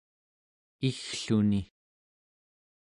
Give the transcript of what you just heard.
iggluni